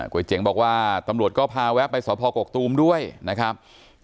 เจ๋งบอกว่าตำรวจก็พาแวะไปสพกกตูมด้วยนะครับ